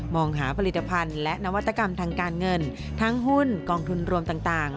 หาผลิตภัณฑ์และนวัตกรรมทางการเงินทั้งหุ้นกองทุนรวมต่าง